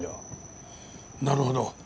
なるほど。